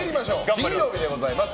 金曜日でございます。